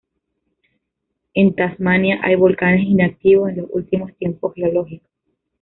En Tasmania hay volcanes inactivos en los últimos tiempos geológicos.